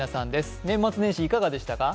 年末年始いかがでしたか？